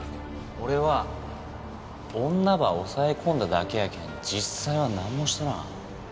俺は女ば押さえ込んだだけやけん実際はなんもしとらん。